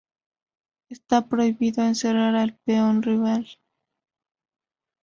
Está prohibido encerrar al peón rival.